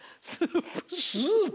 スープ。